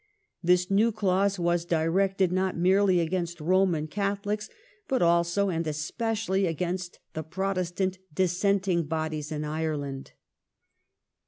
This new clause was directed not merely against Eoman Catholics but also and especially against the Protestant dissenting bodies in Ireland.